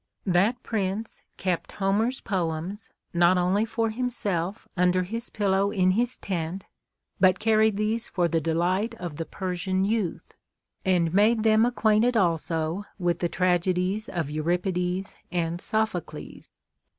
That prince kept Homer's poems, not only for himself mder his pillow in his tent, but carried these for the delight of the Persian youth, and made them acquainted also with the tragedies of Euripides and Sophocles.